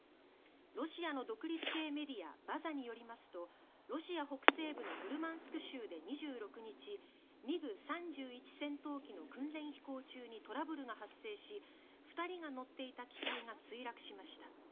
ロシアの独立系メディア・バザによりますとロシア北西部のムルマンスク州で２６日ミグ３１戦闘機の訓練飛行中にトラブルが発生し２人が乗っていた機体が墜落しました。